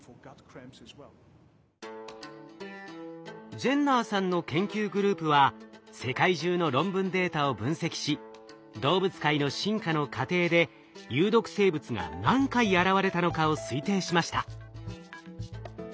ジェンナーさんの研究グループは世界中の論文データを分析し動物界の進化の過程で有毒生物が何回現れたのかを推定しました。